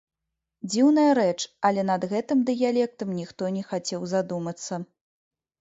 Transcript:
Дзіўная рэч, але над гэтым дыялектам ніхто не хацеў задумацца.